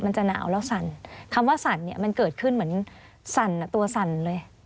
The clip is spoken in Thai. มันจะหนาวแล้วสั่นคำว่าสั่นเนี่ยมันเกิดขึ้นเหมือนสั่นตัวสั่นเลย